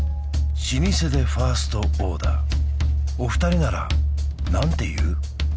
老舗でファーストオーダーお二人なら何て言う？